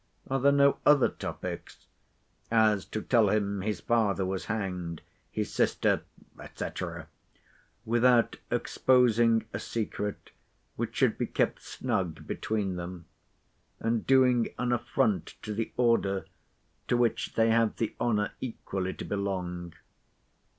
Are there no other topics—as, to tell him his father was hanged—his sister, &c.—, without exposing a secret, which should be kept snug between them; and doing an affront to the order to which they have the honour equally to belong?